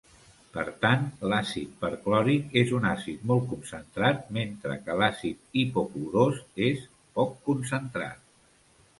Per tant, l'àcid perclòric és un àcid molt concentrat mentre que l'àcid hipoclorós és poc concentrat.